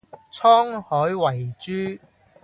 滄海遺珠